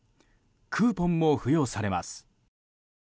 クーポンも付与されます。